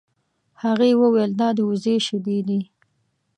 هغې وویل دا د وزې شیدې دي.